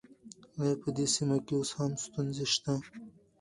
آيا په دې سيمه کې اوس هم ستونزې شته؟